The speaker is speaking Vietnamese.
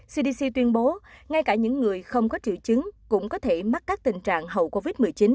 cdc tuyên bố ngay cả những người không có triệu chứng cũng có thể mắc các tình trạng hậu covid một mươi chín